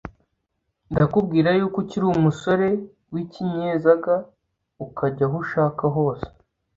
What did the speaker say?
ndakubwira yuko ukiri umusore wikenyezaga, ukajya aho ushaka hose,